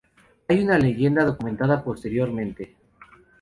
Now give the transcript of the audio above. Hay una leyenda documentada posteriormente.